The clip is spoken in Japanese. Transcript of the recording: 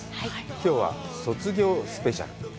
きょうは卒業スペシャル。